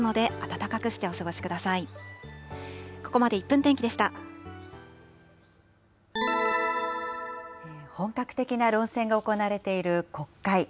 本格的な論戦が行われている国会。